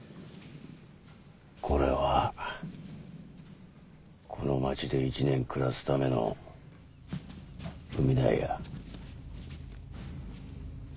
これはこの町で１年暮らすための踏み台や。